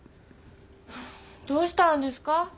どうしたんですか？